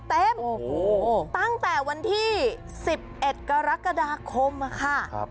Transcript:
ตั้งแต่วันที่๑๑กรกฎาคมค่ะ